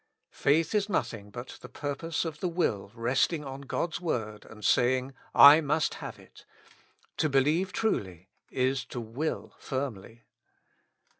'''' Faith is nothing but the purpose of the will resting on God's word, and saying : I must have it. To believe truly is to will firmly.